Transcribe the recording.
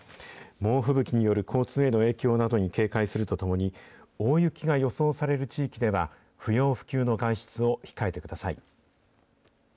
猛吹雪による交通への影響などに警戒するとともに、大雪が予想される地域では、不要不急の外出を控えてください。